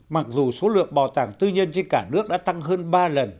mặc dù số lượng bảo tàng tư nhân trên cả nước đã tăng hơn ba lần